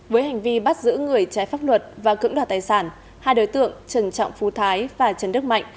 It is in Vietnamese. với hành vi bắt giữ người trái pháp luật và cưỡng đoạt tài sản hai đối tượng trần trọng phú thái và trần đức mạnh